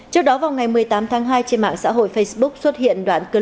trước đó vào ngày một mươi tám tháng hai trên mạng xã hội facebook xuất hiện đoạn cửa sách